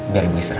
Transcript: biar ibu isra